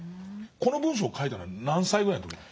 この文章を書いたのは何歳ぐらいの時？